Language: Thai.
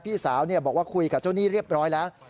พี่สาวบอกว่าคุยกับเจ้าหนี้เรียบร้อยแล้ว